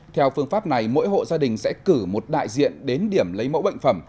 theo phương pháp này mỗi hộ gia đình sẽ cử một đại diện đến điểm lấy mẫu bệnh phẩm